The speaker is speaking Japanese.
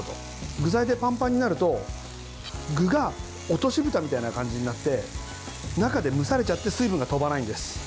具材でパンパンになると、具が落としぶたみたいな感じになって中で蒸されちゃって水分が飛ばないんです。